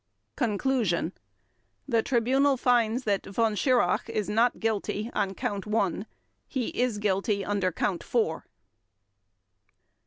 Conclusion The Tribunal finds that Von Schirach is not guilty on Count One. He is guilty under Count Four.